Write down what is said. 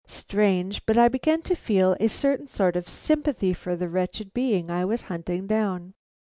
Strange, but I began to feel a certain sort of sympathy for the wretched being I was hunting down.